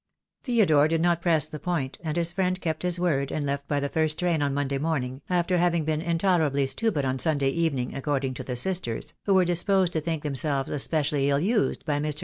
Theodore did not press the point, and his friend kept his word, and left by the first train on Monday morning, after having been intolerably stupid on Sunday evening, according to the sisters, who were disposed to think themselves especially ill used by Air.